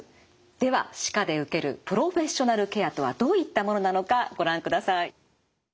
では歯科で受けるプロフェッショナルケアとはどういったものなのかご覧ください。